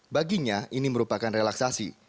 baginya ini merupakan relaksasi